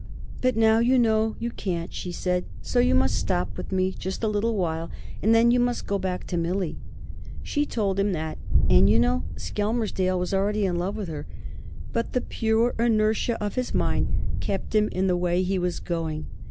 "But now you know you can't," she said, "so you must stop with me just a little while, and then you must go back to Millie." She told him that, and you know Skelmersdale was already in love with her, but the pure inertia of his mind kept him in the way he was going.